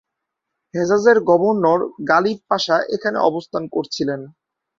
হেজাজের governor Ghalib Pasha এখানে অবস্থান করছিলেন।